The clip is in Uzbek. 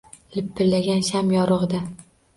Lipillagan sham yorug’ida